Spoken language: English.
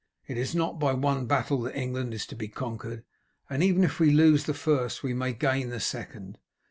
"It is not by one battle that England is to be conquered, and even if we lose the first we may gain the second.